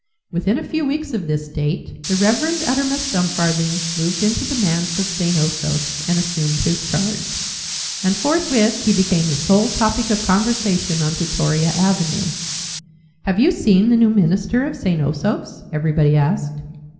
Within a few weeks of this date the Reverend Uttermust Dumfarthing moved into the manse of St. Osoph's and assumed his charge. And forthwith he became the sole topic of conversation on Plutoria Avenue. "Have you seen the new minister of St. Osoph's?" everybody asked.